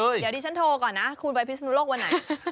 เดี๋ยวที่ฉันโทรก่อนนะคุณวัยพิสุนโลกวันไหน